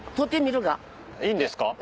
いいんですか？